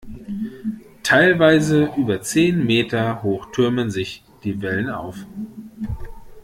Teilweise über zehn Meter hoch türmen sich die Wellen auf.